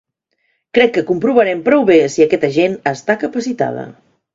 Crec que comprovarem prou bé si aquesta gent està capacitada.